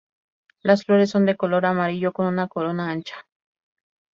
Las flores son de color amarillo con una corona ancha.